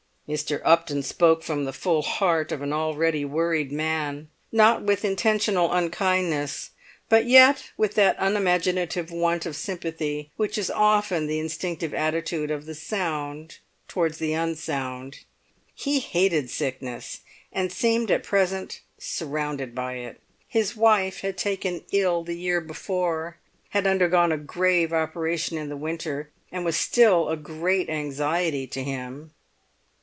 Mr. Upton spoke from the full heart of an already worried man, not with intentional unkindness, but yet with that unimaginative want of sympathy which is often the instinctive attitude of the sound towards the unsound. He hated sickness, and seemed at present surrounded by it. His wife had taken ill the year before, had undergone a grave operation in the winter, and was still a great anxiety to him.